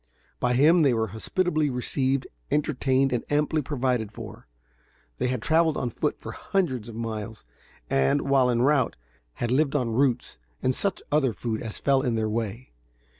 By him they were hospitably received, entertained and amply provided for. They had traveled on foot for hundreds of miles, and, while en route, had lived on roots and such other food as fell in their way.